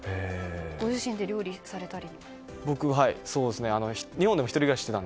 ご自身で料理されたり？